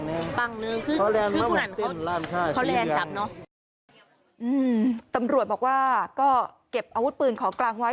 อืมตำรวจบอกว่าก็เก็บอาวุธปืนของกลางไว้